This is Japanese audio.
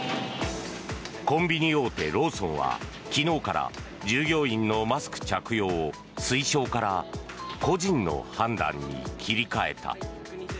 コンビニ大手ローソンは昨日から従業員のマスク着用を推奨から個人の判断に切り替えた。